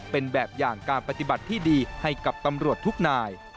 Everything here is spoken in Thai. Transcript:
เป็นแบบอย่างการปฏิบัติที่ดีให้กับตำรวจทุกนาย